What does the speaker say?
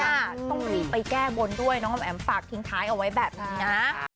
ต้องรีบไปแก้บนด้วยน้องแอ๋มฝากทิ้งท้ายเอาไว้แบบนี้นะ